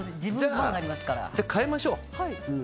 じゃあ変えましょう。